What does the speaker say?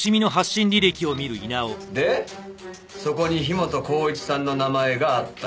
でそこに樋本晃一さんの名前があった。